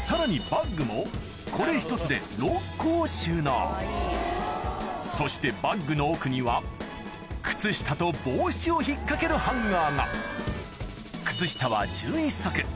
バッグもこれ１つで６個を収納そしてバッグの奥には靴下と帽子を引っ掛けるハンガーが靴下は１１足